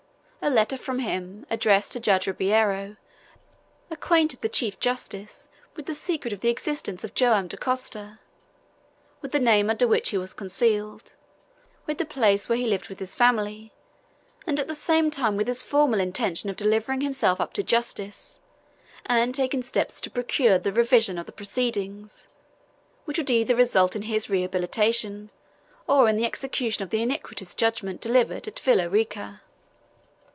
A letter from him, addressed to Judge Ribeiro, acquainted the chief justice with the secret of the existence of Joam Dacosta, with the name under which he was concealed, with the place where he lived with his family, and at the same time with his formal intention of delivering himself up to justice, and taking steps to procure the revision of the proceedings, which would either result in his rehabilitation or in the execution of the iniquitous judgment delivered at Villa Rica.